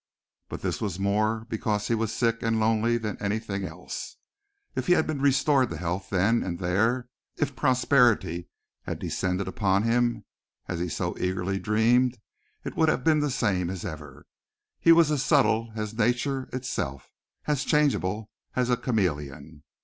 But this was more because he was sick and lonely than anything else. If he had been restored to health then and there, if prosperity had descended on him as he so eagerly dreamed, it would have been the same as ever. He was as subtle as nature itself; as changeable as a chameleon.